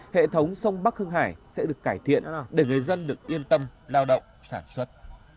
hệ thống sông bắc hưng hải sẽ được cải thiện để người dân được yên tâm lao động sản xuất